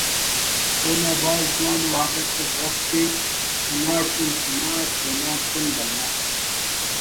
اونا بھاز جوان ءُ عادت اس ئس کہ چناڑتون چنا ئس بھلا تون بھلا ئس